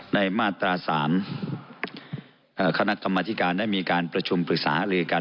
มาตรา๓คณะกรรมธิการได้มีการประชุมปรึกษาลือกัน